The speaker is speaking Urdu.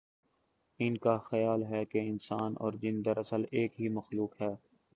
ان کا خیال ہے کہ انسان اور جن دراصل ایک ہی مخلوق ہے۔